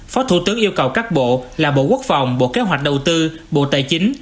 phó thủ tướng yêu cầu các bộ là bộ quốc phòng bộ kế hoạch đầu tư bộ tài chính